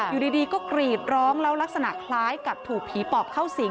อยู่ดีก็กรีดร้องแล้วลักษณะคล้ายกับถูกผีปอบเข้าสิง